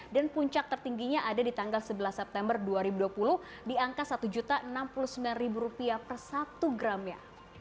dan puncak tertingginya ada di tanggal sebelas september dua ribu dua puluh di angka satu enam puluh sembilan rupiah per satu gramnya